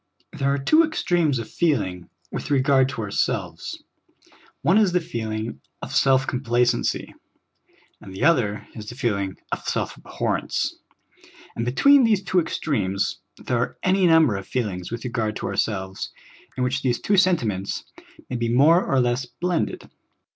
THERE are two extremes of feeling with regard to ourselves ; one is the feeling of self complacency, and the other is the feeling of self abhorrence ; and be tween these two extremes there are any number of feel ings with regard to ourselves in which these two senti ments may be more or less blended.